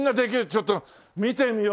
ちょっと見てみようよ。